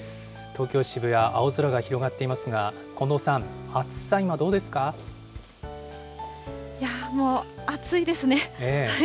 東京・渋谷、青空が広がっていますが、近藤さん、暑さ今、どうでいや、もう暑いですね。